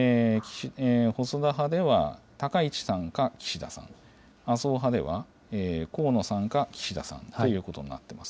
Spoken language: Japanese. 細田派では、高市さんか岸田さん、麻生派では、河野さんか岸田さんということになっています。